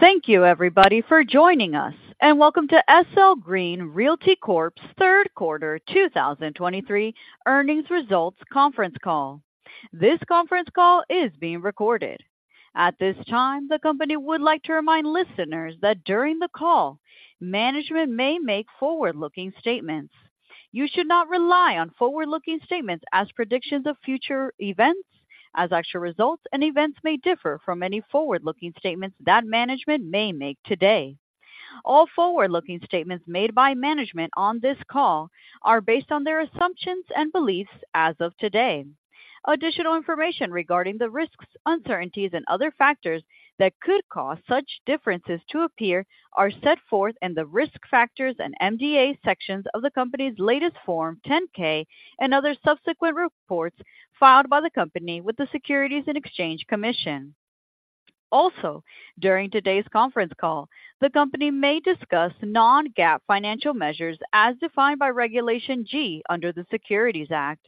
Thank you, everybody, for joining us, and Welcome to SL Green Realty Corp.'s Q3 2023 Earnings Results Conference Call. This conference call is being recorded. At this time, the company would like to remind listeners that during the call, management may make forward-looking statements. You should not rely on forward-looking statements as predictions of future events, as actual results and events may differ from any forward-looking statements that management may make today. All forward-looking statements made by management on this call are based on their assumptions and beliefs as of today. Additional information regarding the risks, uncertainties and other factors that could cause such differences to appear are set forth in the Risk Factors and MD&A sections of the company's latest Form 10-K and other subsequent reports filed by the company with the Securities and Exchange Commission. Also, during today's conference call, the company may discuss non-GAAP financial measures as defined by Regulation G under the Securities Act.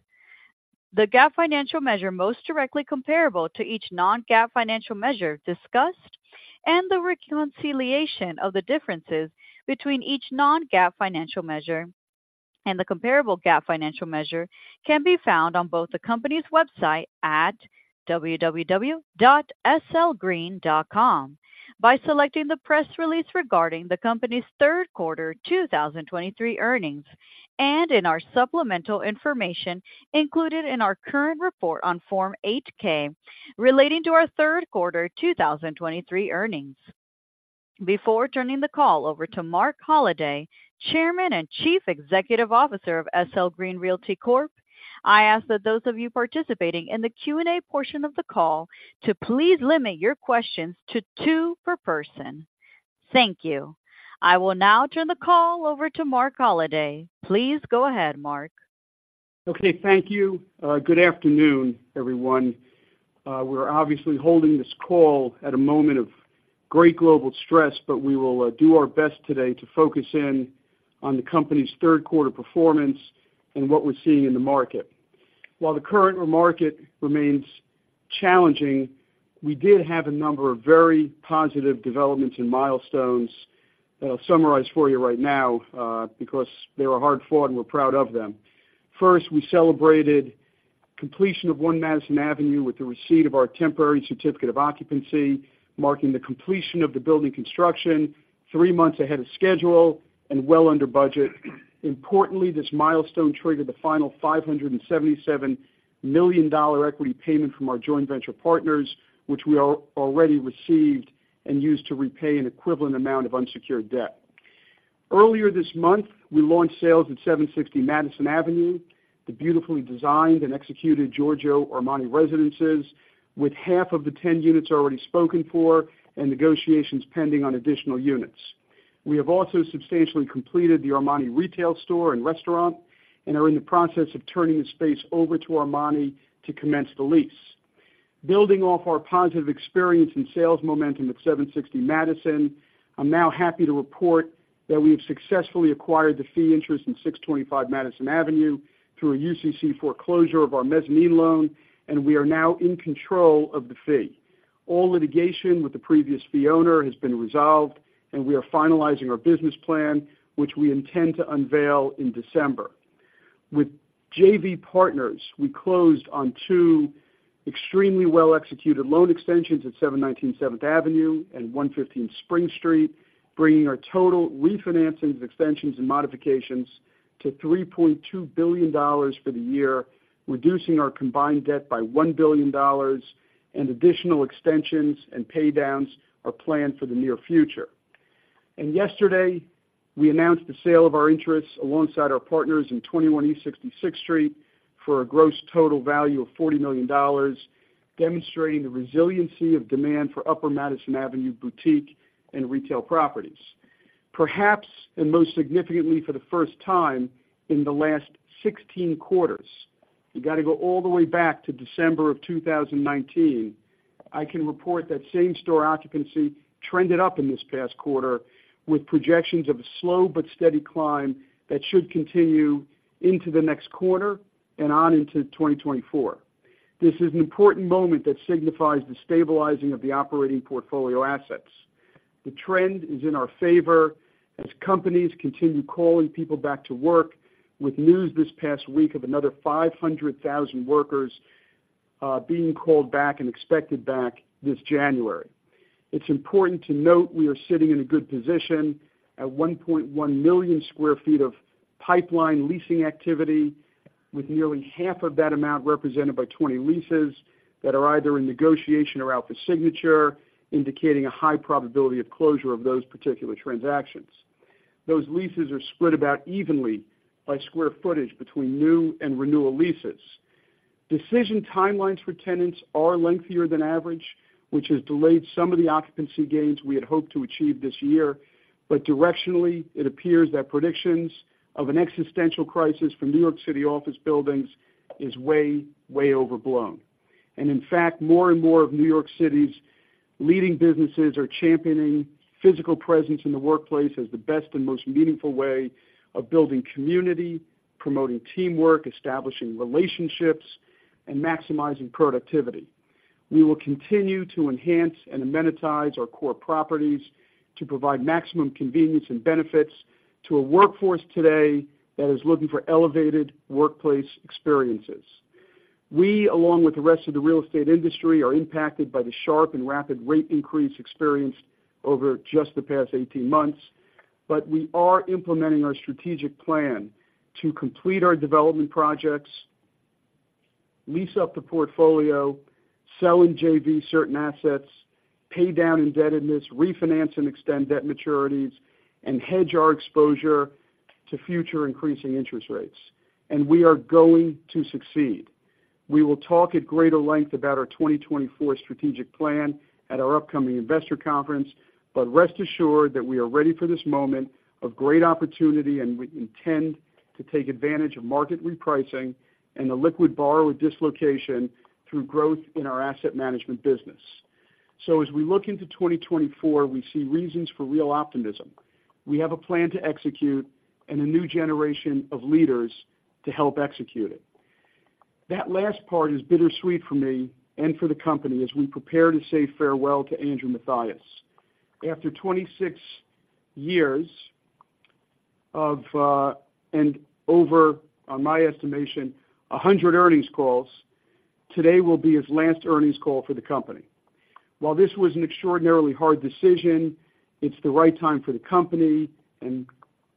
The GAAP financial measure most directly comparable to each non-GAAP financial measure discussed, and the reconciliation of the differences between each non-GAAP financial measure and the comparable GAAP financial measure can be found on both the company's website at www.slgreen.com, by selecting the press release regarding the company's Q3 2023 earnings, and in our supplemental information included in our current report on Form 8-K, relating to our Q3 2023 Earnings. Before turning the call over to Marc Holliday, Chairman and Chief Executive Officer of SL Green Realty Corp., I ask that those of you participating in the Q&A portion of the call to please limit your questions to two per person. Thank you. I will now turn the call over to Marc Holliday. Please go ahead, Marc. Okay, thank you. Good afternoon, everyone. We're obviously holding this call at a moment of great global stress, but we will do our best today to focus in on the company's Q3 performance and what we're seeing in the market. While the current market remains challenging, we did have a number of very positive developments and milestones that I'll summarize for you right now because they were hard-fought, and we're proud of them. First, we celebrated completion of One Madison Avenue with the receipt of our temporary certificate of occupancy, marking the completion of the building construction three months ahead of schedule and well under budget. Importantly, this milestone triggered the final $577 million equity payment from our joint venture partners, which we already received and used to repay an equivalent amount of unsecured debt. Earlier this month, we launched sales at 760 Madison Avenue, the beautifully designed and executed Giorgio Armani residences, with half of the 10 units already spoken for and negotiations pending on additional units. We have also substantially completed the Armani retail store and restaurant and are in the process of turning the space over to Armani to commence the lease. Building off our positive experience and sales momentum at 760 Madison, I'm now happy to report that we have successfully acquired the fee interest in 625 Madison Avenue through a UCC foreclosure of our mezzanine loan, and we are now in control of the fee. All litigation with the previous fee owner has been resolved, and we are finalizing our business plan, which we intend to unveil in December. With JV partners, we closed on two extremely well-executed loan extensions at 719 Seventh Avenue and 115 Spring Street, bringing our total refinancings, extensions, and modifications to $3.2 billion for the year, reducing our combined debt by $ 1 billion, and additional extensions and paydowns are planned for the near future. Yesterday, we announced the sale of our interests alongside our partners in 21 East 66th Street for a gross total value of $40 million, demonstrating the resiliency of demand for Upper Madison Avenue boutique and retail properties. Perhaps, and most significantly, for the first time in the last 16 quarters, you got to go all the way back to December of 2019, I can report that same-store occupancy trended up in this past quarter, with projections of a slow but steady climb that should continue into the next quarter and on into 2024. This is an important moment that signifies the stabilizing of the operating portfolio assets. The trend is in our favor as companies continue calling people back to work, with news this past week of another 500,000 workers being called back and expected back this January. It's important to note we are sitting in a good position at 1.1 million sq ft of pipeline leasing activity, with nearly half of that amount represented by 20 leases that are either in negotiation or out for signature, indicating a high probability of closure of those particular transactions. Those leases are split about evenly by square footage between new and renewal leases. Decision timelines for tenants are lengthier than average, which has delayed some of the occupancy gains we had hoped to achieve this year. Directionally, it appears that predictions of an existential crisis for New York City office buildings is way, way overblown. In fact, more and more of New York City's leading businesses are championing physical presence in the workplace as the best and most meaningful way of building community, promoting teamwork, establishing relationships, and maximizing productivity. We will continue to enhance and amenitize our core properties to provide maximum convenience and benefits to a workforce today that is looking for elevated workplace experiences. We, along with the rest of the real estate industry, are impacted by the sharp and rapid rate increase experienced over just the past 18 months. We are implementing our strategic plan to complete our development projects, lease up the portfolio, sell and JV certain assets, pay down indebtedness, refinance and extend debt maturities, and hedge our exposure to future increasing interest rates, and we are going to succeed. We will talk at greater length about our 2024 strategic plan at our upcoming investor conference, but rest assured that we are ready for this moment of great opportunity, and we intend to take advantage of market repricing and the liquid borrower dislocation through growth in our asset management business. As we look into 2024, we see reasons for real optimism. We have a plan to execute and a new generation of leaders to help execute it. That last part is bittersweet for me and for the company as we prepare to say farewell to Andrew Mathias. After 26 years and over, on my estimation, 100 earnings calls, today will be his last earnings call for the company. While this was an extraordinarily hard decision, it's the right time for the company and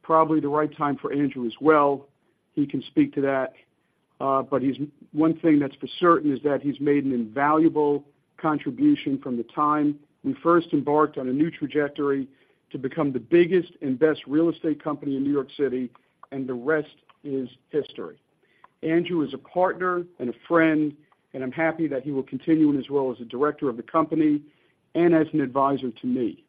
probably the right time for Andrew as well. He can speak to that, but one thing that's for certain is that he's made an invaluable contribution from the time we first embarked on a new trajectory to become the biggest and best real estate company in New York City, and the rest is history. Andrew is a partner and a friend, and I'm happy that he will continue in his role as a director of the company and as an advisor to me.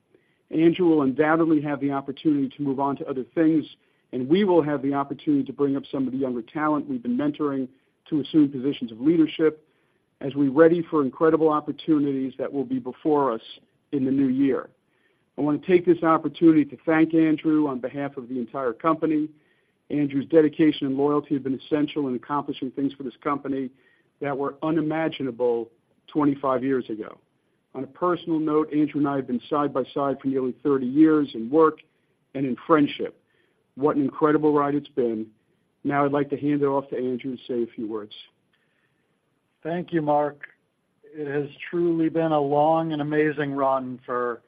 Andrew will undoubtedly have the opportunity to move on to other things, and we will have the opportunity to bring up some of the younger talent we've been mentoring to assume positions of leadership as we ready for incredible opportunities that will be before us in the new year. I want to take this opportunity to thank Andrew on behalf of the entire company. Andrew's dedication and loyalty have been essential in accomplishing things for this company that were unimaginable 25 years ago. On a personal note, Andrew and I have been side by side for nearly 30 years in work and in friendship. What an incredible ride it's been. Now, I'd like to hand it off to Andrew to say a few words. Thank you, Marc. It has truly been a long and amazing run for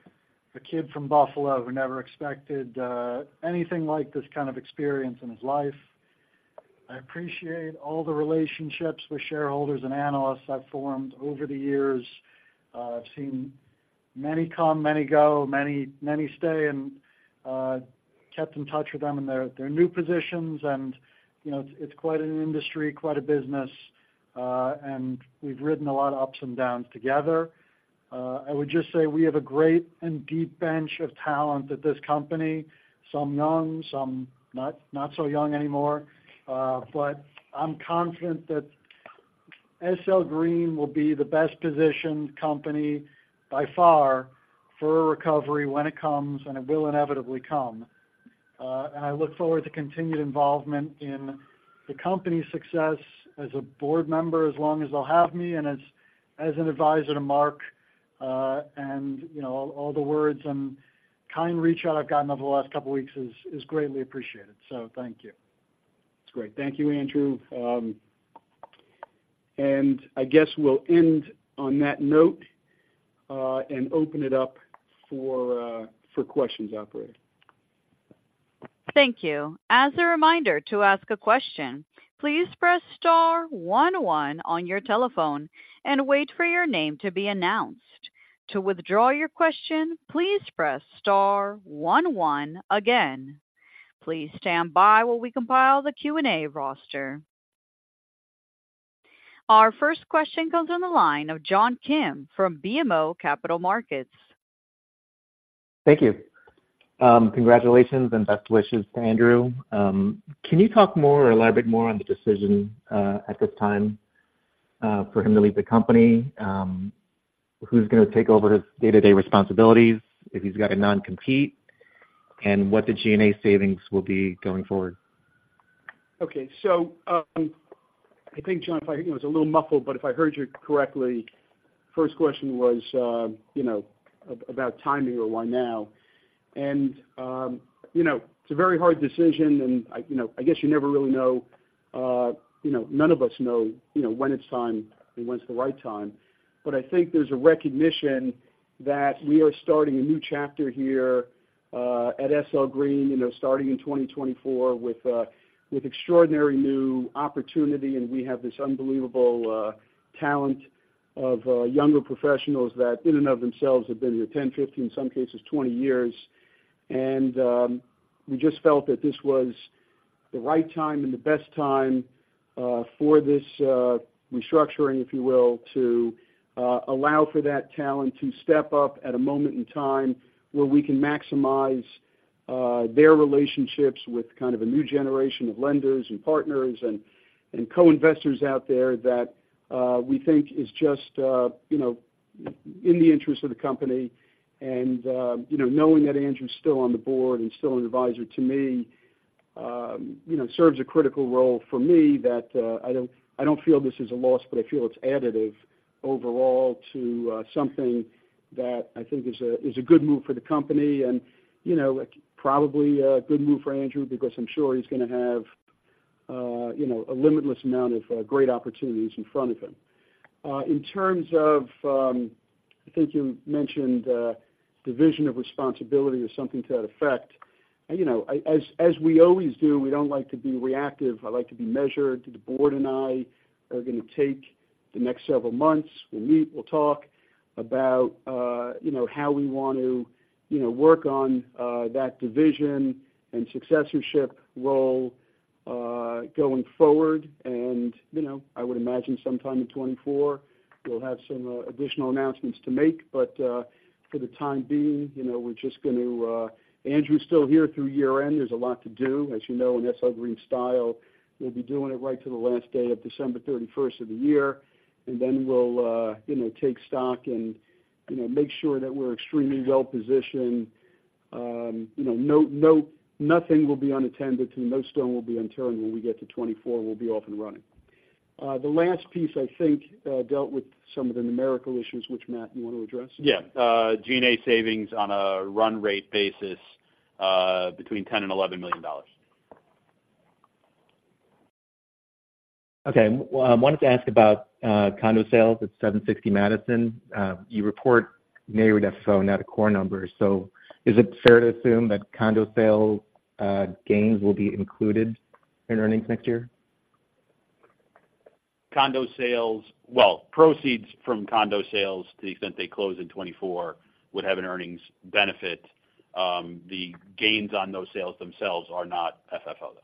a kid from Buffalo who never expected anything like this kind of experience in his life. I appreciate all the relationships with shareholders and analysts I've formed over the years. I've seen many come, many go, many, many stay, and kept in touch with them in their new positions, and it's quite an industry, quite a business, and we've ridden a lot of ups and downs together. I would just say we have a great and deep bench of talent at this company, some young, some not so young anymore. But I'm confident that SL Green will be the best-positioned company by far for a recovery when it comes, and it will inevitably come. I look forward to continued involvement in the company's success as a board member, as long as they'll have me, and as an Advisor to Marc. All the words and kind reach out I've gotten over the last couple of weeks is greatly appreciated. Thank you. That's great. Thank you, Andrew. I guess we'll end on that note and open it up for questions, operator. Thank you. As a reminder to ask a question, please press star one one on your telephone and wait for your name to be announced. To withdraw your question, please press star one one again. Please stand by while we compile the Q&A roster. Our first question comes on the line of John Kim from BMO Capital Markets. Thank you. Congratulations and best wishes to Andrew. Can you talk more or elaborate more on the decision at this time for him to leave the company? Who's going to take over his day-to-day responsibilities, if he's got a non-compete, and what the G&A savings will be going forward? Okay. I think, John, if I hear you, it was a little muffled, but if I heard you correctly, first question was about timing or why now. It's a very hard decision, and I guess you never really know, none of us know when it's time and when it's the right time. I think there's a recognition that we are starting a new chapter here at SL Green starting in 2024 with extraordinary new opportunity. We have this unbelievable talent of younger professionals that in and of themselves have been here 10, 15, in some cases, 20 years. We just felt that this was the right time and the best time for this restructuring, if you will, to allow for that talent to step up at a moment in time where we can maximize their relationships with kind of a new generation of lenders and partners and co-investors out there that we think is just in the interest of the company., Knowing that Andrew's still on the Board and still an advisor to me. Serves a critical role for me that I don't feel this is a loss, but I feel it's additive overall to something that I think is a good move for the company and probably a good move for Andrew, because I'm sure he's gonna have a limitless amount of great opportunities in front of him. In terms of, I think you mentioned division of responsibility or something to that effect., I, as we always do, we don't like to be reactive. I like to be measured. The Board and I are gonna take the next several months. We'll meet, we'll talk about how we want to work on that division and successorship role going forward. I would imagine sometime in 2024, we'll have some additional announcements to make, but for the time being we're just going to. Andrew's still here through year end. There's a lot to do. As in SL Green style, we'll be doing it right to the last day of December 31st of the year, and then we'll take stock and make sure that we're extremely well positioned. Nothing will be unattended to, no stone will be unturned. When we get to 2024, we'll be off and running. The last piece, I think, dealt with some of the numerical issues, which, Matt, you want to address? Yeah. G&A savings on a run rate basis between $10 million and $11 million. Okay. Well, I wanted to ask about condo sales at 760 Madison. You report NAREIT FFO, not a core number. Is it fair to assume that condo sale gains will be included in earnings next year? Condo sales, well, proceeds from condo sales, to the extent they close in 2024, would have an earnings benefit. The gains on those sales themselves are not FFO, though.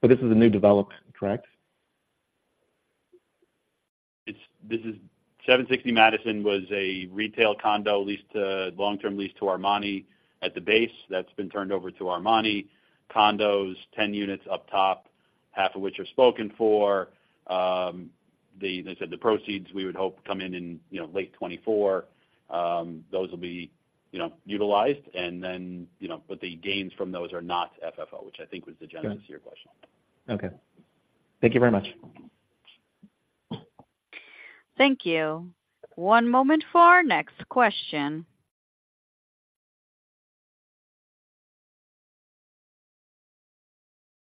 But this is a new development, correct? 760 Madison was a retail condo long-term lease to Armani at the base. That's been turned over to Armani. Condos, 10 units up top, half of which are spoken for. The, as I said, the proceeds we would hope come in late 2024. Those will be utilized but the gains from those are not FFO, which I think was the genesis of your question. Okay. Thank you very much. Thank you. One moment for our next question.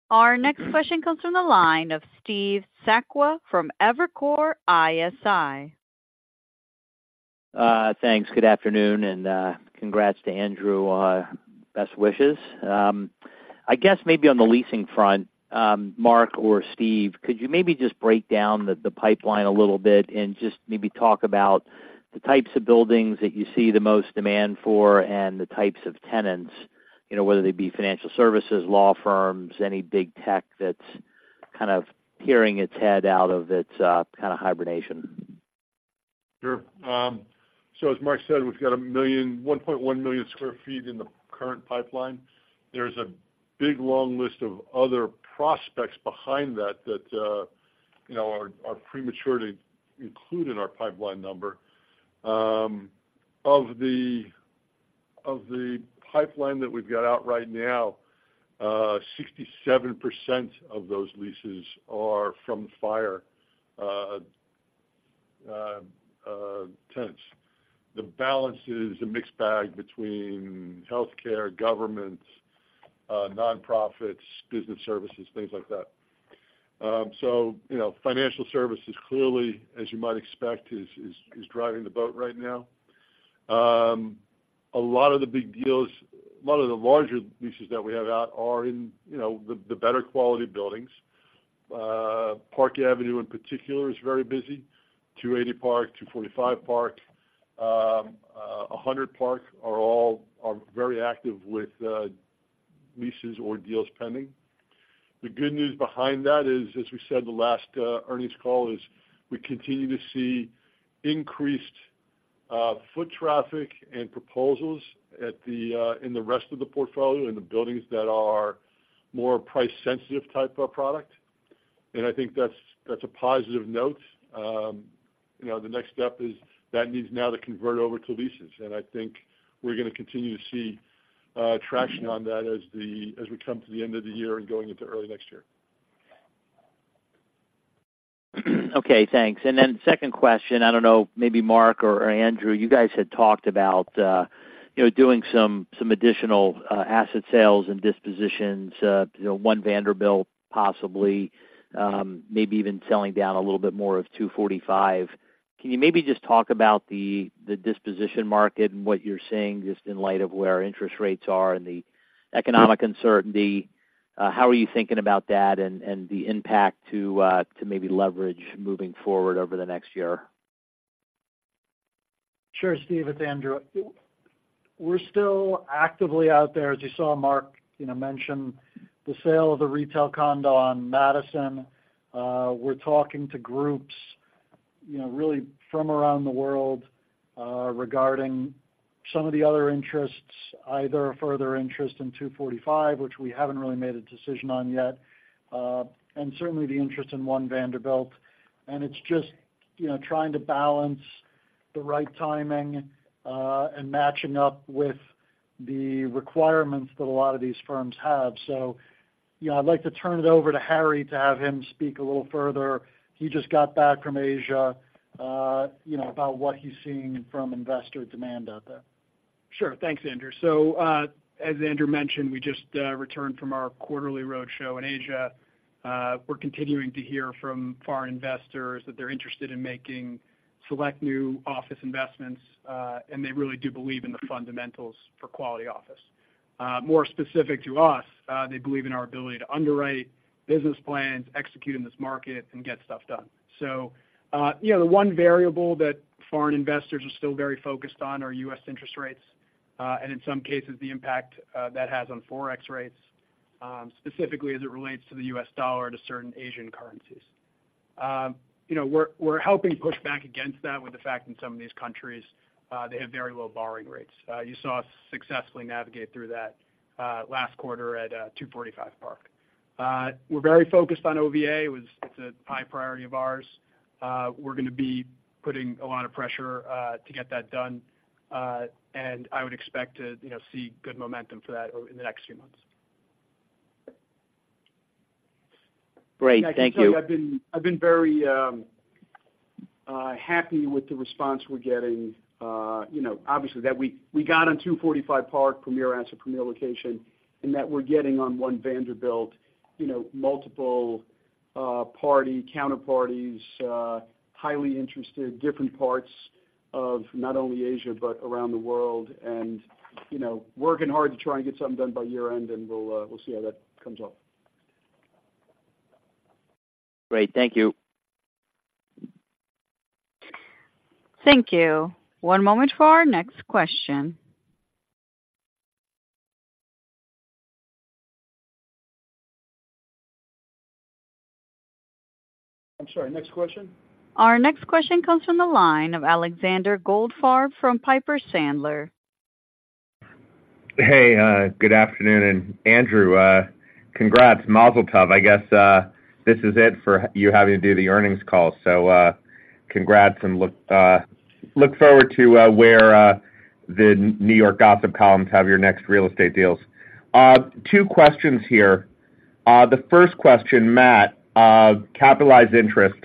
Our next question comes from the line of Steve Sakwa from Evercore ISI. Thanks. Good afternoon, and congrats to Andrew. Best wishes. I guess maybe on the leasing front, Marc or Steve, could you maybe just break down the pipeline a little bit and just maybe talk about the types of buildings that you see the most demand for and the types of tenants, whether they be financial services, law firms, any big tech that's kind of peering its head out of its kind of hibernation? Sure. As Marc said, we've got 1 million, 1.1 million sq ft in the current pipeline. There's a big, long list of other prospects behind that are premature to include in our pipeline number. Of the pipeline that we've got out right now, 67% of those leases are from FIRE tenants. The balance is a mixed bag between healthcare, government, nonprofits, business services, things like that financial services, clearly, as you might expect, is driving the boat right now. A lot of the big deals, a lot of the larger leases that we have out are in the better quality buildings. Park Avenue in particular is very busy. 280 Park, 245 Park, 100 Park are all very active with leases or deals pending. The good news behind that is, as we said the last earnings call, is we continue to see increased foot traffic and proposals in the rest of the portfolio, in the buildings that are more price sensitive type of product. I think that's a positive note. The next step is that needs now to convert over to leases. I think we're gonna continue to see traction on that as we come to the end of the year and going into early next year. Okay, thanks. Second question, I don't know, maybe Marc or Andrew, you guys had talked about doing some additional asset sales and dispositions. One Vanderbilt, possibly, maybe even selling down a little bit more of 245. Can you maybe just talk about the disposition market and what you're seeing, just in light of where interest rates are and the economic uncertainty? How are you thinking about that and the impact to maybe leverage moving forward over the next year? Sure, Steve, it's Andrew. We're still actively out there. As you saw Marc mention the sale of the retail condo on Madison, we're talking to groups really from around the world regarding some of the other interests, either a further interest in 245, which we haven't really made a decision on yet, and certainly the interest in One Vanderbilt. It's just trying to balance the right timing and matching up with the requirements that a lot of these firms have. I'd like to turn it over to Harry to have him speak a little further. He just got back from Asia, about what he's seeing from investor demand out there. Sure. Thanks, Andrew. As Andrew mentioned, we just returned from our quarterly roadshow in Asia. We're continuing to hear from foreign investors that they're interested in making select new office investments, and they really do believe in the fundamentals for quality office. More specific to us, they believe in our ability to underwrite business plans, execute in this market, and get stuff done. The one variable that foreign investors are still very focused on are U.S. interest rates, and in some cases, the impact that has on Forex rates, specifically as it relates to the U.S. dollar, to certain Asian currencies. We're helping push back against that with the fact in some of these countries, they have very low borrowing rates. You saw us successfully navigate through that last quarter at 245 Park. We're very focused on OVA. It's a high priority of ours. We're gonna be putting a lot of pressure to get that done, and I would expect to see good momentum for that in the next few months. Great, thank you. I can tell you, I've been very happy with the response we're getting obviously, that we got on 245 Park, premier asset, premier location, and that we're getting on One Vanderbilt multiple counterparties, highly interested, different parts of not only Asia, but around the world. Working hard to try and get something done by year-end, and we'll see how that comes up. Great. Thank you. Thank you. One moment for our next question. I'm sorry, next question? Our next question comes from the line of Alexander Goldfarb from Piper Sandler. Hey, good afternoon, and Andrew, congrats. Mazel Tov! I guess this is it for you having to do the earnings call. Congrats, and look forward to where the New York gossip columns have your next real estate deals. Two questions here. The first question, Matt, capitalized interest,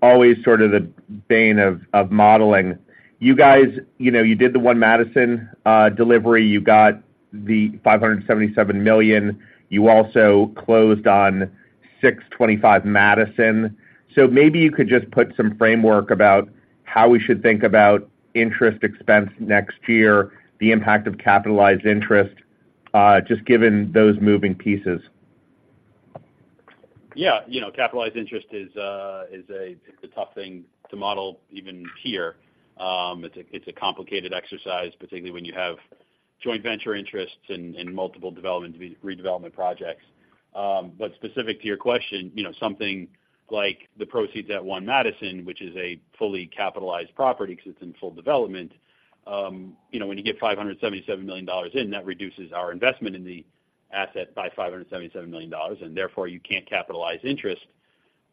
always sort of the bane of modeling. You guys did the One Madison delivery. You got the $577 million. You also closed on 625 Madison. Maybe you could just put some framework about how we should think about interest expense next year, the impact of capitalized interest, just given those moving pieces. Yeah. Capitalized interest is a tough thing to model even here. It's a complicated exercise, particularly when you have joint venture interests in multiple redevelopment projects. Specific to your question something like the proceeds at One Madison, which is a fully capitalized property because it's in full development when you get $577 million in, that reduces our investment in the asset by $577 million, and therefore, you can't capitalize interest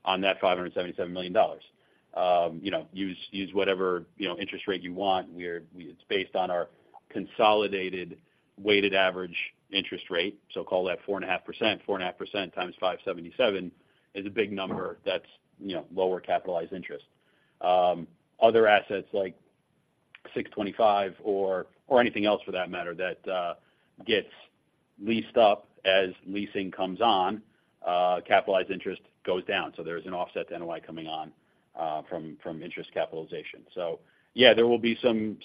on that $577 million. Use whatever interest rate you want. It's based on our consolidated weighted average interest rate, so call that 4.5%. 4.5% times $577 is a big number. That's lower capitalized interest. Other assets like 625 or anything else for that matter, that gets leased up as leasing comes on, capitalized Interest goes down. There's an offset to NOI coming on from interest capitalization. Yeah, there will be some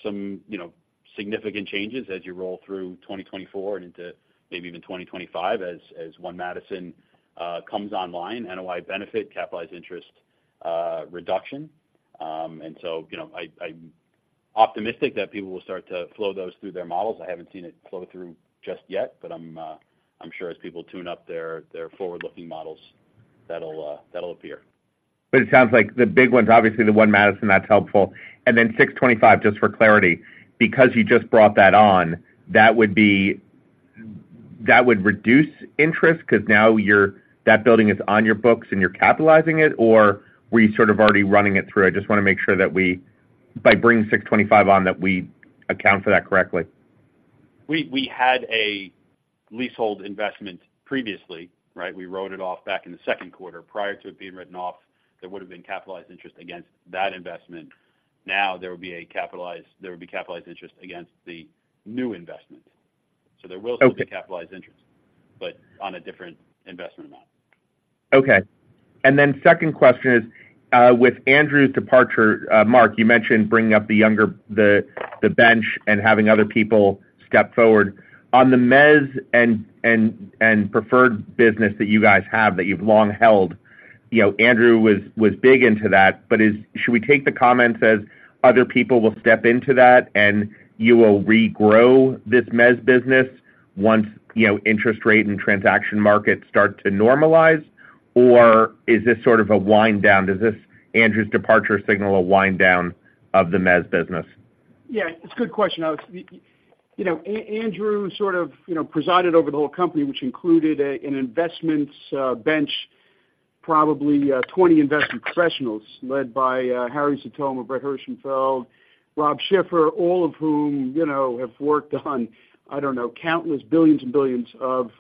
significant changes as you roll through 2024 and into maybe even 2025, as One Madison comes online, NOI benefit, capitalized interest reduction. So I'm optimistic that people will start to flow those through their models. I haven't seen it flow through just yet, but I'm sure as people tune up their forward-looking models, that'll appear. It sounds like the big ones, obviously, the One Madison, that's helpful. 625, just for clarity, because you just brought that on, that would reduce interest because now that building is on your books and you're capitalizing it, or were you sort of already running it through? I just wanna make sure that we, by bringing 625 on, that we account for that correctly. We had a leasehold investment previously, right? We wrote it off back in the Q2. Prior to it being written off, there would have been capitalized interest against that investment. Now, there would be capitalized interest against the new investment. Okay. There will still be capitalized interest, but on a different investment amount. Okay. Second question is, with Andrew's departure, Marc, you mentioned bringing up the younger, the bench and having other people step forward. On the mezz and preferred business that you guys have, that you've long held Andrew was big into that, but should we take the comments as other people will step into that, and you will regrow this mezz business once interest rate and transaction markets start to normalize? Is this sort of a wind-down? Does this, Andrew's departure, signal a wind-down of the mezz business? Yeah, it's a good question. Andrew sort of presided over the whole company, which included an investments bench, probably 20 investment professionals led by Harrison Sitomer, Brett Herschenfeld, Rob Schiffer, all of whom have worked on, I don't know, countless $billions and $billions of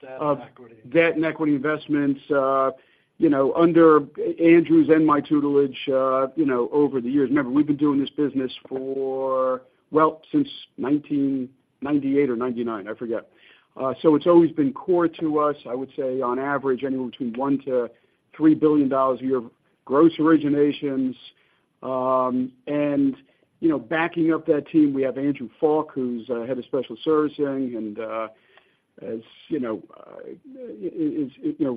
debt and equity. Debt and equity investments under Andrew's and my tutelage over the years. Remember, we've been doing this business for, well, since 1998 or 1999, I forget. It's always been core to us. I would say on average, anywhere between $1 billion-$3 billion a year of gross originations. Backing up that team, we have Andrew Falk, who's Head of Special Servicing, and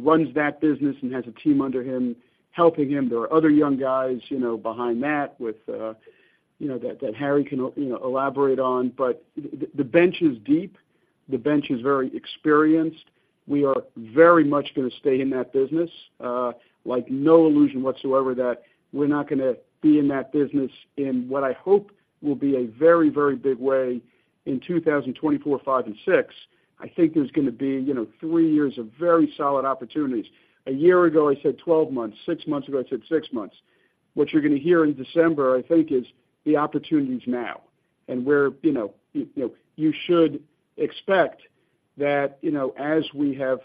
runs that business and has a team under him, helping him. There are other young guys, behind that with that Harry can elaborate on. The bench is deep. The bench is very experienced. We are very much gonna stay in that business. Like, no illusion whatsoever that we're not gonna be in that business in what I hope will be a very, very big way in 2024, 2025, and 2026. I think there's gonna be 3 years of very solid opportunities. A year ago, I said 12 months. 6 months ago, I said 6 months. What you're gonna hear in December, I think, is the opportunity's now. You should expect that as we have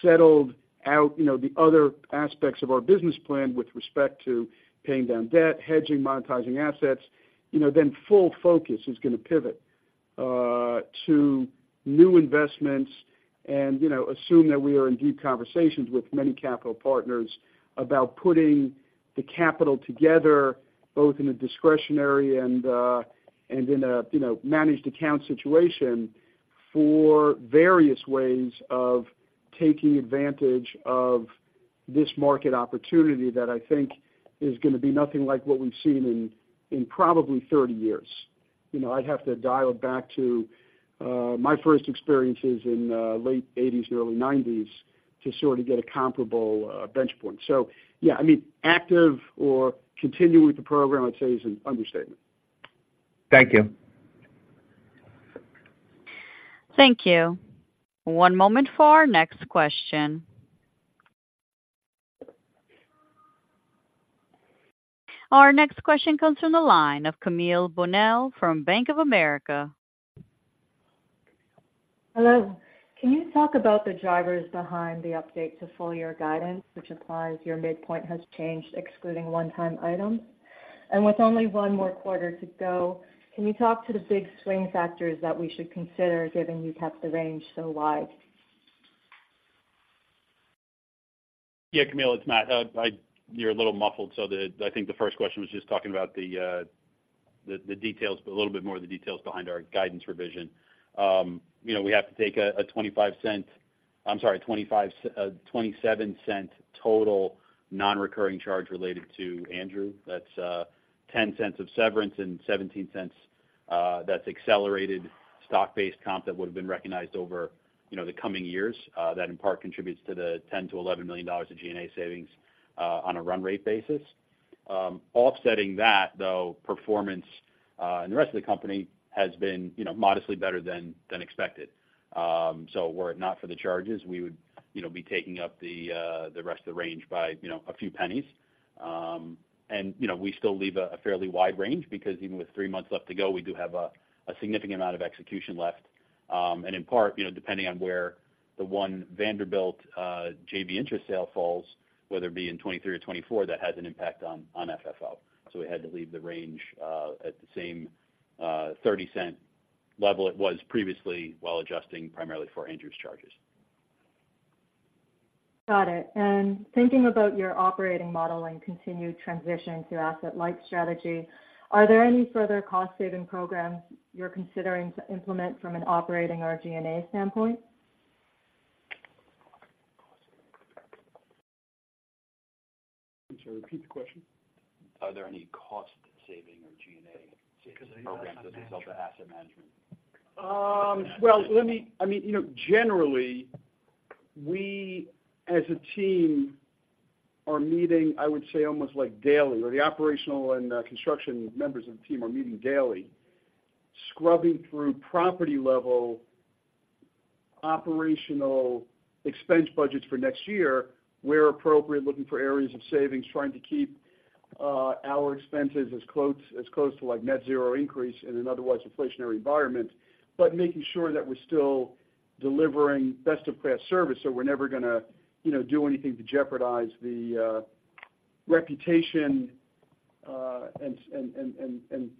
settled out the other aspects of our business plan with respect to paying down debt, hedging, monetizing assets then full focus is gonna pivot to new investments and assume that we are in deep conversations with many capital partners about putting the capital together, both in a discretionary and in a managed account situation for various ways of taking advantage of this market opportunity that I think is gonna be nothing like what we've seen in probably 30 years. I'd have to dial back to my first experiences in late 1980s and early 1990s to sort of get a comparable bench point. Yeah, I mean, active or continuing with the program, I'd say, is an understatement. Thank you. Thank you. One moment for our next question. Our next question comes from the line of Camille Bonnel from Bank of America. Hello. Can you talk about the drivers behind the update to full-year guidance, which implies your midpoint has changed excluding one-time items? With only one more quarter to go, can you talk to the big swing factors that we should consider, given you kept the range so wide? Yeah, Camille, it's Matt. You're a little muffled, so I think the first question was just talking about the details, but a little bit more of the details behind our guidance revision. We have to take a $0.25... I'm sorry, $0.27 total non-recurring charge related to Andrew. That's $0.10 of severance and $0.17 that's accelerated stock-based comp that would have been recognized over the coming years, that in part contributes to the $10 million to $11 million of G&A savings on a run rate basis. Offsetting that, though, performance and the rest of the company has been modestly better than expected. So, were it not for the charges, we would be taking up the rest of the range by a few pennies, And still leave a fairly wide range because even with three months left to go, we do have a significant amount of execution left. And depending on where the One Vanderbilt JV inter-sale whether in 2023 or 2024, that has an important impact on FFO. So, we had to leave the range at the same time $0.30 level it was previously, while adjusting primarily for interest charges. Got it. Thinking about your operating model and continued transition to asset-light strategy, are there any further cost-saving programs you're considering to implement from an operating or G&A standpoint? Can you repeat the question? Are there any cost saving or G&A saving programs as it relates to asset management? Well, I mean, generally, we, as a team, are meeting, I would say, almost like daily, or the operational and construction members of the team are meeting daily, scrubbing through property-level operational expense budgets for next year, where appropriate, looking for areas of savings, trying to keep our expenses as close to, like, net-zero increase in an otherwise inflationary environment, but making sure that we're still delivering best-of-class service. So we're never gonna do anything to jeopardize the reputation and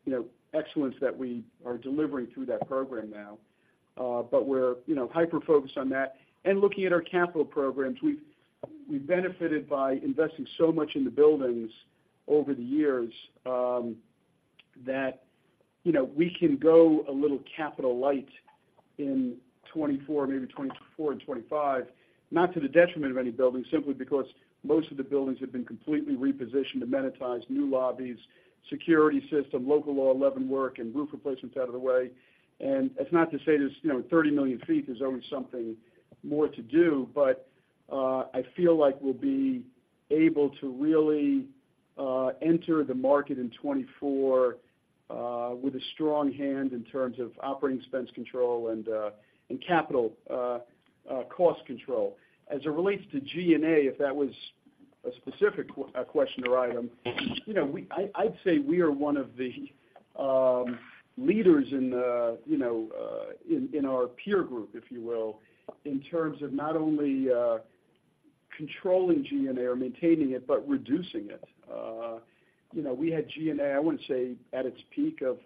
excellence that we are delivering through that program now. But we're hyper-focused on that and looking at our capital programs. We've benefited by investing so much in the buildings over the years that we can go a little capital-light in 2024, maybe 2024 and 2025, not to the detriment of any building, simply because most of the buildings have been completely repositioned, amenitized, new lobbies, security system, Local Law 11 work and roof replacements out of the way. That's not to say there's 30 million sq ft, there's always something more to do, but I feel like we'll be able to really enter the market in 2024 with a strong hand in terms of operating expense control and capital cost control. As it relates to G&A, if that was a specific question or item, I'd say we are one of the leaders in in our peer group, if you will, in terms of not only controlling G&A or maintaining it, but reducing it. We had G&A, I wouldn't say at its peak of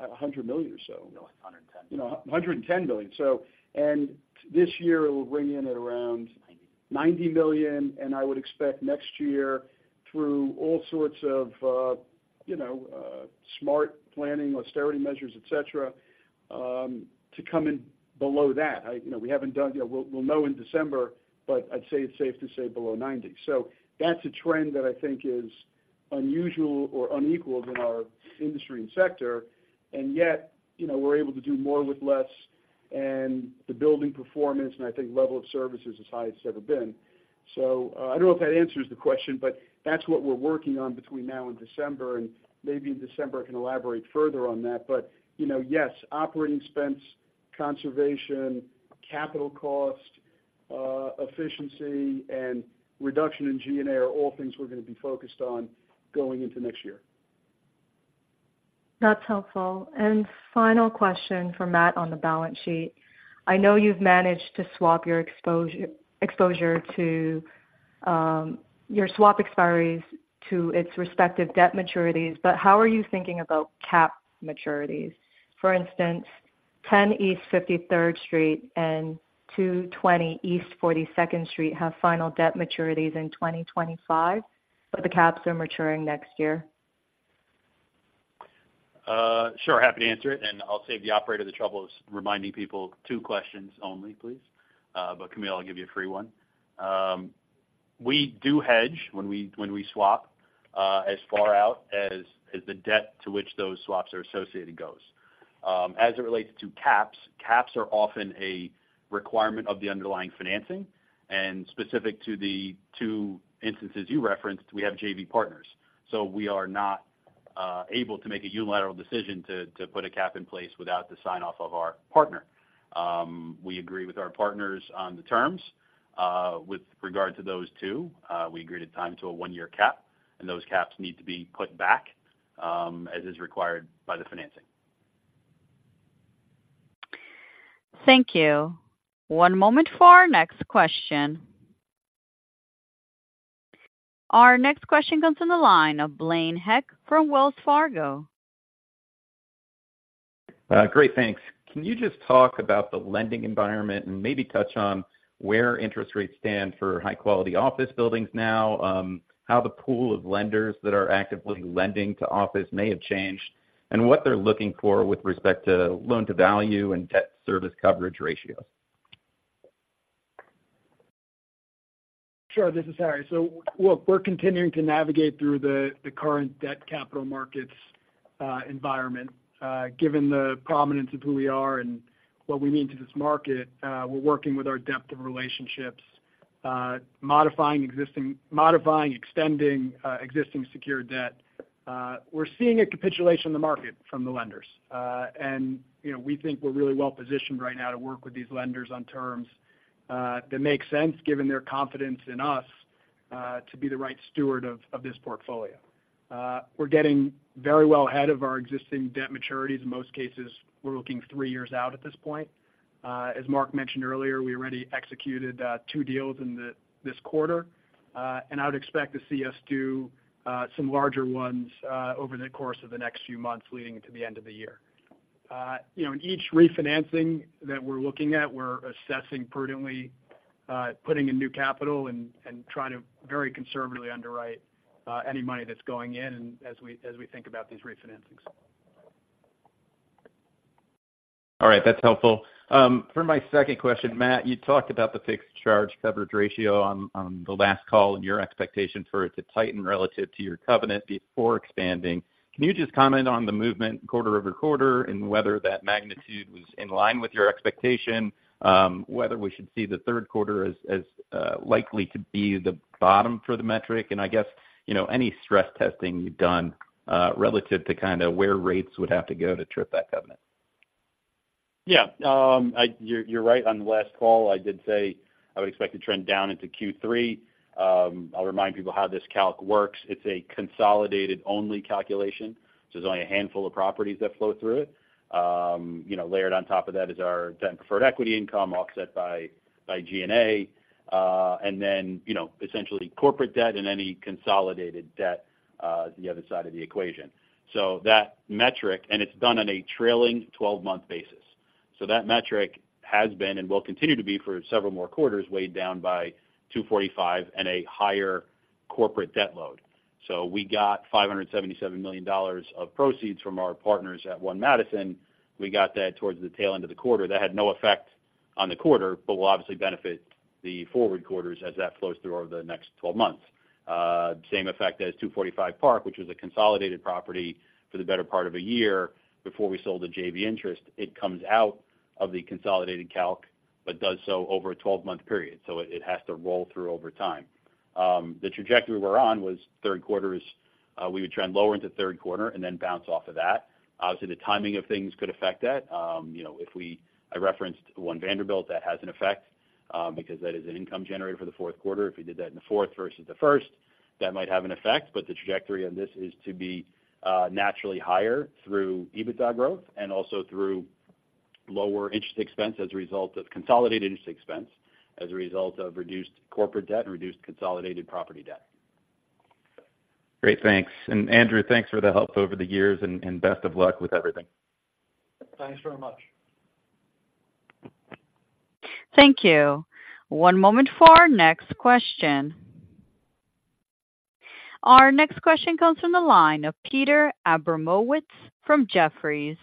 $100 million or so. No. It was $110 million. $110 million. This year, it will bring in at around- $90 million. $90 million, and I would expect next year, through all sorts of, smart planning, austerity measures, et cetera, to come in below that we haven't done we'll know in December, but I'd say it's safe to say below 90. That's a trend that I think is unusual or unequaled in our industry and sector, and yet we're able to do more with less, and the building performance, and I think level of service is as high as it's ever been. I don't know if that answers the question, but that's what we're working on between now and December, and maybe in December, I can elaborate further on that. But yes, operating expense conversation, capital cost efficiency, and reduction in G&A are all things we're going to be focused on going into next year. That's helpful. Final question for Matt on the balance sheet. I know you've managed to swap your exposure to your swap expiries to its respective debt maturities, but how are you thinking about cap maturities? For instance, 10 East 53rd Street and 220 East 42nd Street have final debt maturities in 2025, but the caps are maturing next year. Sure, happy to answer it, and I'll save the operator the trouble of reminding people, two questions only, please. Camille, I'll give you a free one. We do hedge when we swap as far out as the debt to which those swaps are associated goes. As it relates to caps, caps are often a requirement of the underlying financing, and specific to the two instances you referenced, we have J.V. partners. We are not able to make a unilateral decision to put a cap in place without the sign-off of our partner. We agree with our partners on the terms. With regard to those two, we agreed at the time to a one-year cap, and those caps need to be put back as is required by the financing. Thank you. One moment for our next question. Our next question comes from the line of Blaine Heck from Wells Fargo. Great, thanks. Can you just talk about the lending environment and maybe touch on where interest rates stand for high-quality office buildings now? How the pool of lenders that are actively lending to office may have changed, and what they're looking for with respect to loan-to-value and debt service coverage ratios? Sure, this is Harry. Look, we're continuing to navigate through the current debt capital markets environment. Given the prominence of who we are and what we mean to this market, we're working with our depth of relationships, modifying, extending existing secured debt. We're seeing a capitulation in the market from the lenders. We think we're really well positioned right now to work with these lenders on terms that make sense given their confidence in us to be the right steward of this portfolio. We're getting very well ahead of our existing debt maturities. In most cases, we're looking three years out at this point. As Marc mentioned earlier, we already executed two deals in this quarter, and I would expect to see us do some larger ones over the course of the next few months leading into the end of the year. In each refinancing that we're looking at, we're assessing prudently putting in new capital and trying to very conservatively underwrite any money that's going in as we think about these refinancings. All right, that's helpful. For my second question, Matt, you talked about the fixed charge coverage ratio on the last call and your expectation for it to tighten relative to your covenant before expanding. Can you just comment on the movement quarter-over-quarter and whether that magnitude was in line with your expectation? Whether we should see the Q3 as likely to be the bottom for the metric, and I guess, any stress testing you've done relative to kind of where rates would have to go to trip that covenant? Yeah. You're right. On the last call, I did say I would expect to trend down into Q3. I'll remind people how this calc works. It's a consolidated-only calculation, so there's only a handful of properties that flow through it. Layered on top of that is our debt and preferred equity income, offset by G&A, and then essentially corporate debt and any consolidated debt is the other side of the equation. That metric, and it's done on a trailing 12-month basis. That metric has been, and will continue to be for several more quarters, weighed down by 245 and a higher corporate debt load. We got $577 million of proceeds from our partners at One Madison. We got that towards the tail end of the quarter. That had no effect on the quarter, but will obviously benefit the forward quarters as that flows through over the next 12 months. Same effect as 245 Park, which was a consolidated property for the better part of a year before we sold the J.V. interest. It comes out of the consolidated calc, but does so over a 12-month period, so it has to roll through over time. The trajectory we're on was Q3 is, we would trend lower into Q3 and then bounce off of that. Obviously, the timing of things could affect that. I referenced One Vanderbilt, that has an effect because that is an income generator for the Q4. If we did that in the fourth versus the first, that might have an effect, but the trajectory on this is to be naturally higher through EBITDA growth and also through lower interest expense as a result of consolidated interest expense, as a result of reduced corporate debt and reduced consolidated property debt. Great, thanks. Andrew, thanks for the help over the years, and best of luck with everything. Thanks very much. Thank you. One moment for our next question. Our next question comes from the line of Peter Abramowitz from Jefferies.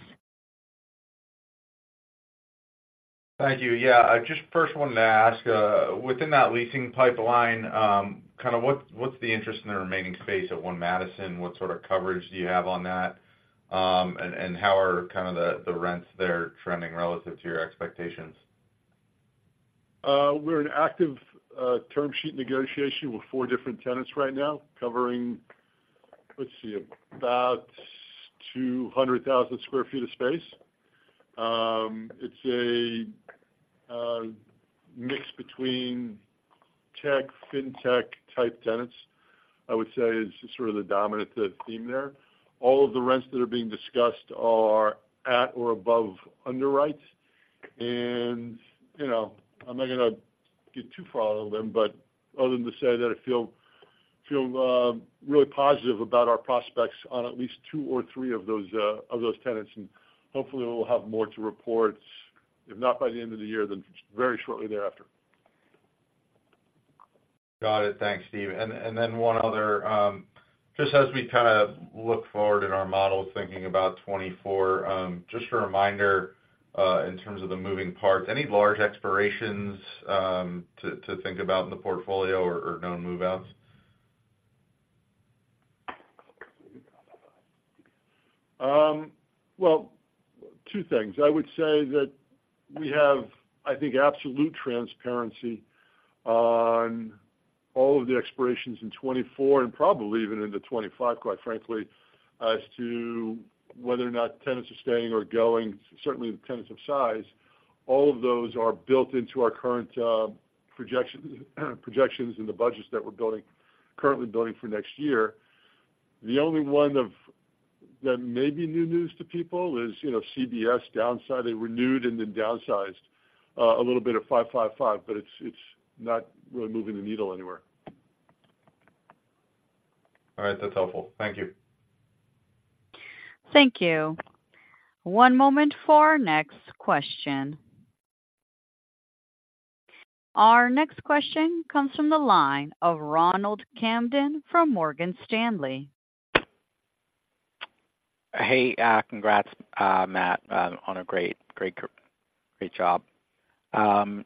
Thank you. Yeah, I just first wanted to ask within that leasing pipeline kind of what's the interest in the remaining space at One Madison? What sort of coverage do you have on that? How are kind of the rents there trending relative to your expectations? We're in active term sheet negotiation with four different tenants right now, covering, let's see, about 200,000 sq ft of space. It's a mix between tech, fintech-type tenants, I would say, is sort of the dominant theme there. All of the rents that are being discussed are at or above underwrites, and I'm not going to get too far out of them, but other than to say that I feel really positive about our prospects on at least two or three of those tenants. Hopefully, we'll have more to report, if not by the end of the year, then very shortly thereafter. Got it. Thanks, Steve. Then one other, just as we kind of look forward in our model, thinking about 2024, just a reminder in terms of the moving parts, any large expirations to think about in the portfolio or known move-outs? Well, two things. I would say that we have, I think, absolute transparency on all of the expirations in 2024 and probably even into 2025, quite frankly, as to whether or not tenants are staying or going, certainly the tenants of size. All of those are built into our current projections and the budgets that we're currently building for next year. The only one that may be new news to people is CBS downsized, they renewed and then downsized a little bit of 555, but it's not really moving the needle anywhere. All right, that's helpful. Thank you. Thank you. One moment for our next question. Our next question comes from the line of Ronald Kamdem from Morgan Stanley. Hey, congrats, Matt, on a great, great job.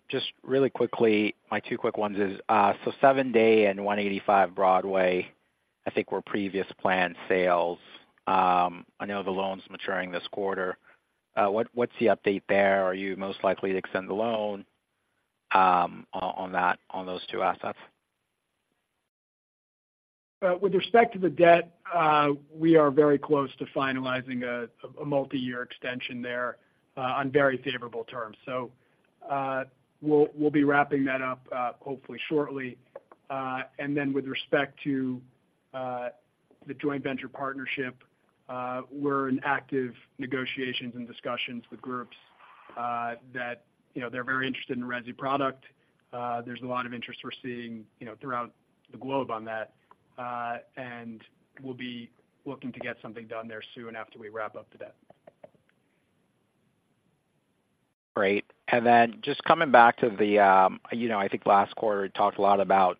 Just really quickly, my two quick ones is 719 Seventh and 185 Broadway, I think, were previous planned sales. I know the loan's maturing this quarter. What's the update there? Are you most likely to extend the loan on those two assets? With respect to the debt, we are very close to finalizing a multiyear extension there on very favorable terms. We'll be wrapping that up hopefully shortly. With respect to the joint venture partnership, we're in active negotiations and discussions with groups that they're very interested in product. There's a lot of interest we're seeing throughout the globe on that. We'll be looking to get something done there soon after we wrap up the debt. Great. Just coming back to the I think last quarter, we talked a lot about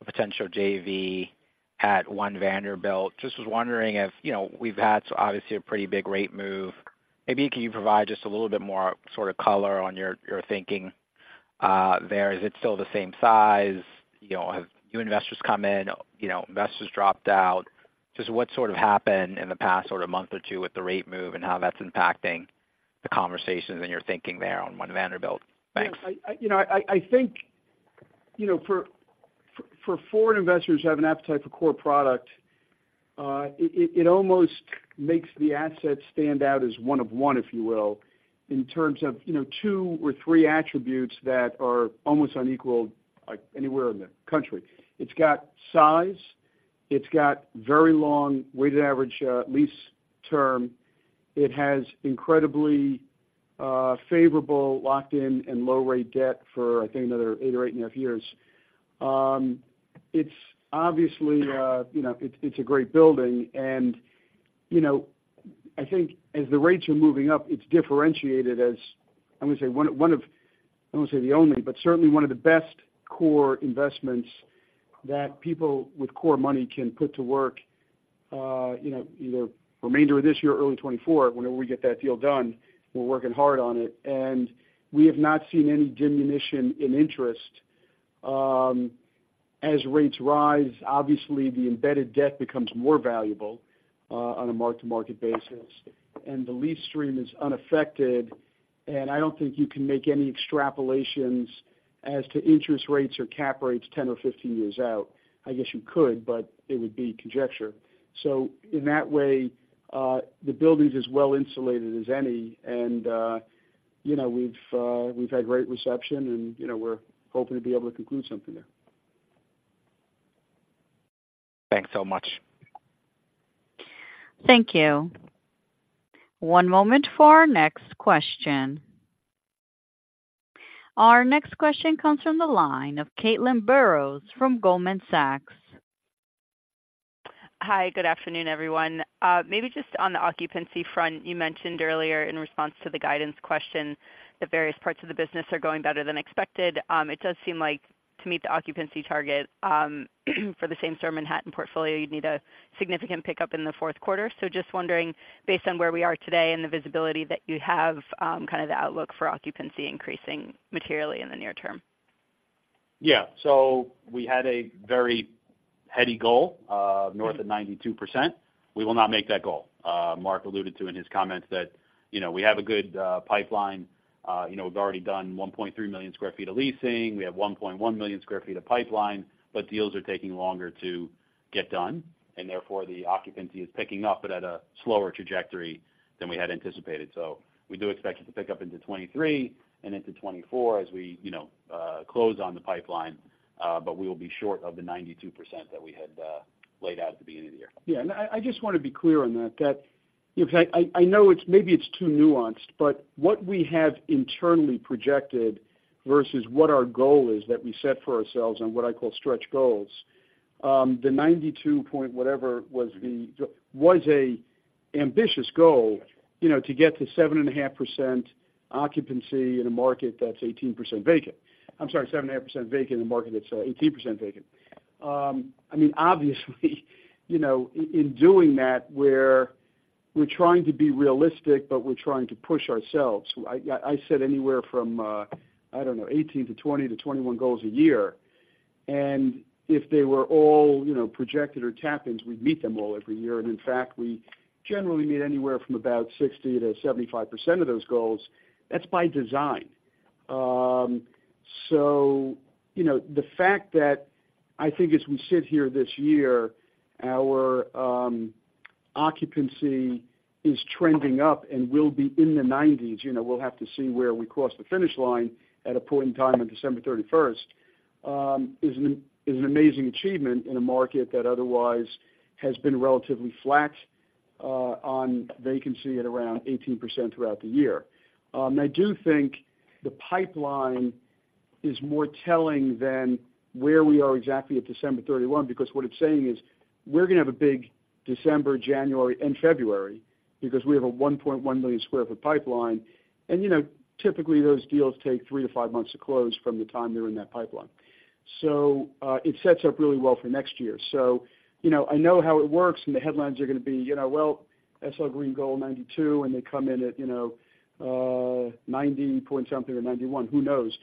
the potential J.V. at One Vanderbilt. Just was wondering if we've had obviously a pretty big rate move. Maybe can you provide just a little bit more sort of color on your thinking there? Is it still the same size? Have new investors come investors dropped out? Just what sort of happened in the past sort of month or two with the rate move and how that's impacting the conversations and your thinking there on One Vanderbilt? Thanks. For foreign investors who have an appetite for core product, it almost makes the asset stand out as one of one, if you will, in terms of two or three attributes that are almost unequaled, like, anywhere in the country. It's got size, it's got very long weighted average lease term. It has incredibly favorable, locked-in and low-rate debt for, I think, another eight or eight and a half years. It's obviously a great building and as the rates are moving up, it's the people with core money can put to work. Either remainder of this year or early 2024, whenever we get that deal done, we're working hard on it. We have not seen any diminution in interest. As rates rise, obviously, the embedded debt becomes more valuable on a mark-to-market basis, and the lease stream is unaffected, and I don't think you can make any extrapolations as to interest rates or cap rates 10 or 15 years out. I guess you could, but it would be conjecture. In that way, the building's as well insulated as any, and we've had great reception and we're hoping to be able to conclude something there. Thanks so much. Thank you. One moment for our next question. Our next question comes from the line of Caitlin Burrows from Goldman Sachs. Hi, good afternoon, everyone. Maybe just on the occupancy front, you mentioned earlier in response to the guidance question that various parts of the business are going better than expected. It does seem like to meet the occupancy target for the same store Manhattan portfolio, you'd need a significant pickup in the Q4. Just wondering, based on where we are today and the visibility that you have, kind of the outlook for occupancy increasing materially in the near term? Yeah. We had a very heady goal north of 92%. We will not make that goal. Marc alluded to in his comments that we have a good pipeline. We've already done 1.3 million sq ft of leasing. We have 1.1 million sq ft of pipeline, but deals are taking longer to get done, and therefore, the occupancy is picking up, but at a slower trajectory than we had anticipated. We do expect it to pick up into 2023 and into 2024, as we close on the pipeline, but we will be short of the 92% that we had laid out at the beginning of the year. Yeah, I just want to be clear on that because I know maybe it's too nuanced, but what we have internally projected versus what our goal is that we set for ourselves on what I call stretch goals. The 92. whatever was a ambitious goal to get to 7.5% occupancy in a market that's 18% vacant. I'm sorry, 7.5% vacant in a market that's 18% vacant. I mean, obviously, in doing that, we're trying to be realistic, but we're trying to push ourselves. I said anywhere from, I don't know, 18-20-21 goals a year. If they were all projected or tap ins, we'd meet them all every year. In fact, we generally meet anywhere from about 60%-75% of those goals. That's by design. The fact that I think as we sit here this year, our occupancy is trending up and will be in the 90s, we'll have to see where we cross the finish line at a point in time on December 31st, is an amazing achievement in a market that otherwise has been relatively flat on vacancy at around 18% throughout the year. I do think the pipeline is more telling than where we are exactly at December 31, because what it's saying is, we're gonna have a big December, January and February, because we have a 1.1 million sq ft pipeline. Typically, those deals take three to five months to close from the time they're in that pipeline. It sets up really well for next year. I know how it works, and the headlines are gonna be, well, SL Green goal 92, and they come in at, 90 point something or 91. Who knows?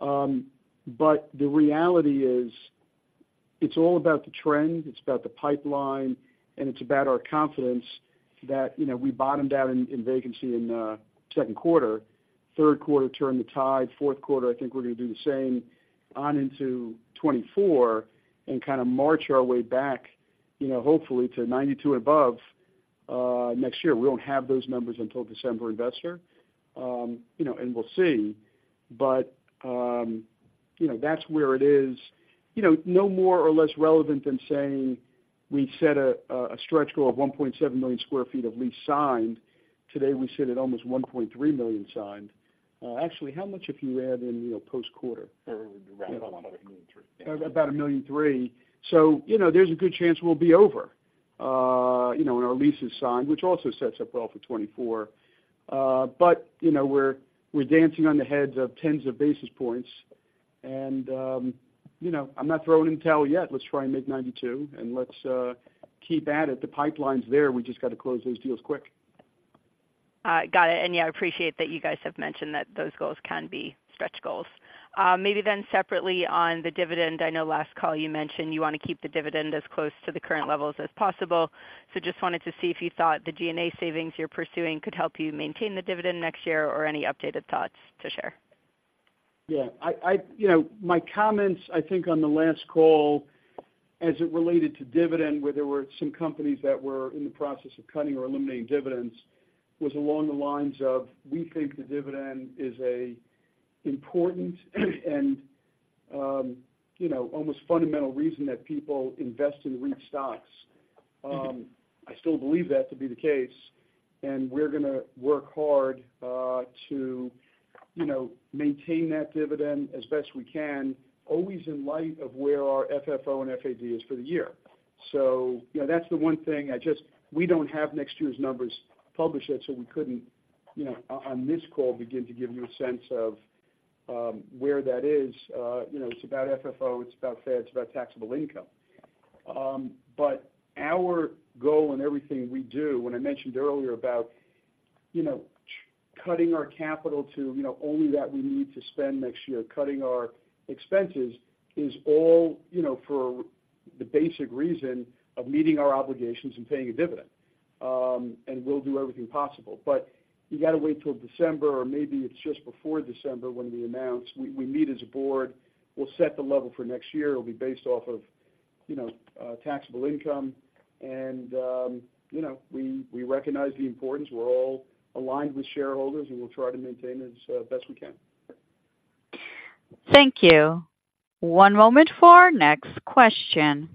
But the reality is, it's all about the trend, it's about the pipeline, and it's about our confidence that we bottomed out in vacancy in Q2, Q3 turned the tide, Q4, I think we're gonna do the same, on into 2024 and kind of march our way back, hopefully to 92 above next year. We won't have those numbers until December investor and we'll see. That's where it is. No more or less relevant than saying we set a stretch goal of 1.7 million sq ft of lease signed. Today, we sit at almost 1.3 million signed. Actually, how much have you add in post quarter? Round about $1.3 million. About 1.3 million. There's a good chance we'll be over when our lease is signed, which also sets up well for 2024. But we're dancing on the heads of tens of basis points, and I'm not throwing in the towel yet. Let's try and make 92, and let's keep at it. The pipeline's there. We just got to close those deals quick. Got it. Yeah, I appreciate that you guys have mentioned that those goals can be stretch goals. Maybe then separately on the dividend, I know last call you mentioned you want to keep the dividend as close to the current levels as possible. Just wanted to see if you thought the G&A savings you're pursuing could help you maintain the dividend next year, or any updated thoughts to share. On the last call, as it related to dividend, where there were some companies that were in the process of cutting or eliminating dividends, was along the lines of, we think the dividend is a important and almost fundamental reason that people invest in REIT stocks. I still believe that to be the case, and we're gonna work hard to maintain that dividend as best we can, always in light of where our FFO and FAD is for the year. That's the one thing I just... We don't have next year's numbers published yet, so we couldn't on this call, begin to give you a sense of where that it's about FFO, it's about FAD, it's about taxable income. Our goal in everything we do, when I mentioned earlier about cutting our capital to only that we need to spend next year, cutting our expenses, is all for the basic reason of meeting our obligations and paying a dividend. We'll do everything possible. You got to wait till December, or maybe it's just before December when we announce. We meet as a board, we'll set the level for next year. It'll be based off of taxable income. We recognize the importance. We're all aligned with shareholders, and we'll try to maintain as best we can. Thank you. One moment for our next question.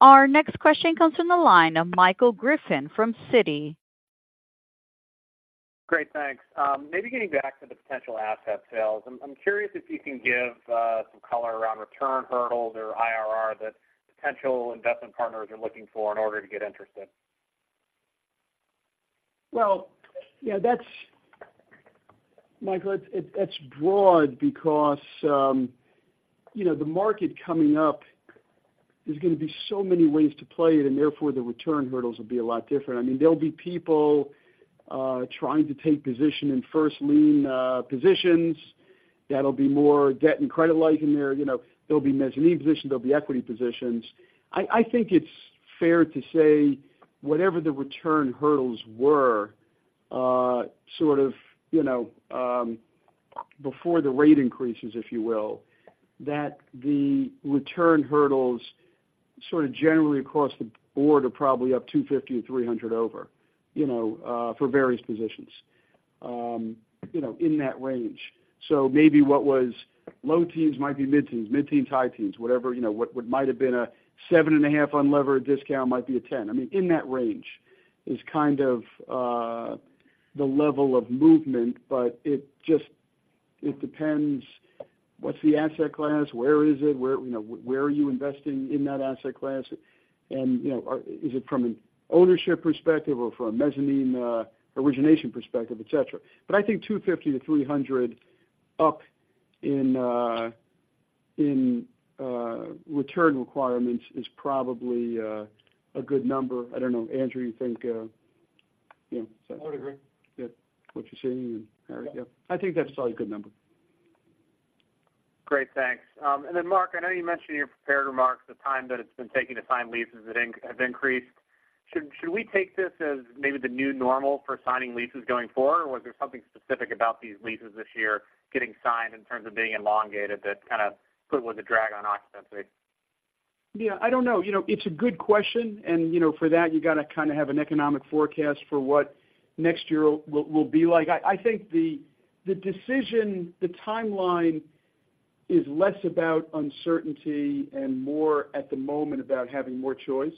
Our next question comes from the line of Michael Griffin from Citi. Great, thanks. Maybe getting back to the potential asset sales. I'm curious if you can give some color around return hurdles or IRR that potential investment partners are looking for in order to get interested. Well, yeah, Michael, it's broad because the market coming up, there's gonna be so many ways to play it, and therefore, the return hurdles will be a lot different. I mean, there'll be people trying to take position in first lien positions. That'll be more debt and credit lending there. There'll be mezzanine positions, there'll be equity positions. I think it's fair to say whatever the return hurdles were, sort of before the rate increases, if you will, that the return hurdles sort of generally across the board, are probably up 250-300 over for various positions. In that range. Maybe what was low teens might be mid-teens, mid-teens, high teens, whatever, what might have been a 7.5 unlevered discount might be a 10. I mean, in that range is kind of the level of movement, but it just depends. What's the asset class? Where is it? Where are you investing in that asset class? Is it from an ownership perspective or from a mezzanine origination perspective, et cetera. I think 250-300 up in return requirements is probably a good number. I don't know, Andrew, you think? I would agree. Yeah, what you're seeing? Yeah. I think that's probably a good number. Great, thanks. Marc, I know you mentioned in your prepared remarks the time that it's been taking to sign leases have increased. Should we take this as maybe the new normal for signing leases going forward, or was there something specific about these leases this year getting signed in terms of being elongated that kind of put with the drag on occupancy? Yeah, I don't know. It's a good question, and for that, you got to kind of have an economic forecast for what next year will be like. I think the decision, the timeline, is less about uncertainty and more at the moment about having more choice.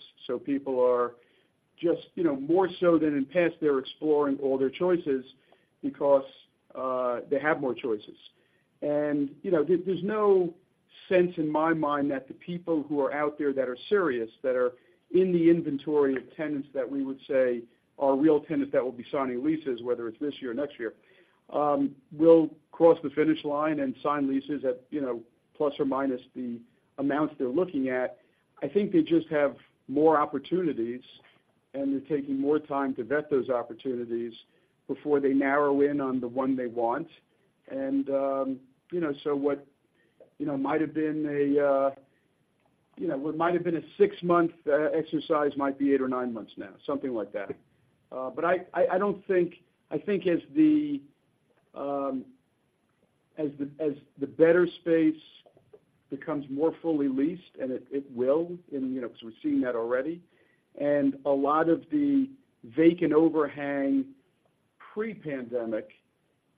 People are just more so than in past, they're exploring all their choices because they have more choices. There's no sense in my mind that the people who are out there that are serious, that are in the inventory of tenants that we would say are real tenants, that will be signing leases, whether it's this year or next year, will cross the finish line and sign leases at ± the amounts they're looking at. I think they just have more opportunities, and they're taking more time to vet those opportunities before they narrow in on the one they want. So what might have been a six-month exercise might be eight or nine months now, something like that. I don't think... I think as the better space becomes more fully leased, and it will, and because we're seeing that already, and a lot of the vacant overhang pre-pandemic,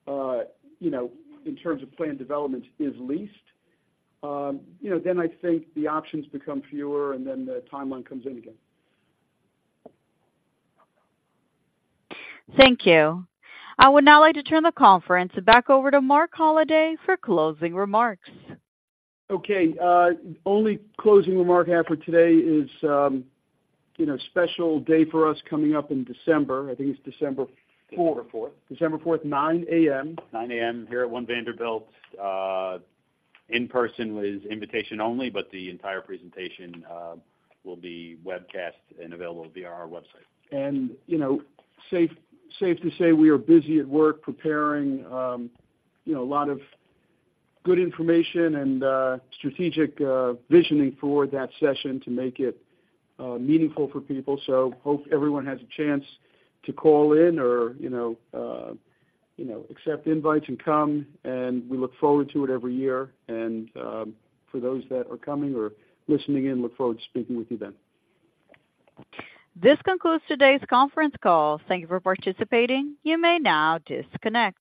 in terms of planned development, is leased then I think the options become fewer and then the timeline comes in again. Thank you. I would now like to turn the conference back over to Marc Holliday for closing remarks. Okay, only closing remark I have for today is special day for us coming up in December. I think it's December 4. December 4, 9:00 A.M. 9:00 A.M. here at One Vanderbilt. In person is invitation only, but the entire presentation will be webcast and available via our website. Safe to say, we are busy at work preparing a lot of good information and strategic visioning for that session to make it meaningful for people. Hope everyone has a chance to call in or accept invites and come, and we look forward to it every year. For those that are coming or listening in, look forward to speaking with you then. This concludes today's conference call. Thank you for participating. You may now disconnect.